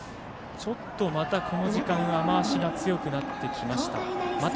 またこの時間雨足が強くなってきました。